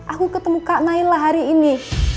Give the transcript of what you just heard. aku ketemu kak naila hari ini